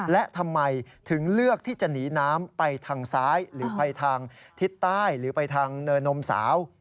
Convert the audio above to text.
และทำไมถึงเลือกที่จะหนีน้ำไปทางซ้ายหรือไปทางทิศใต้หรือไปทางเนินนมสาว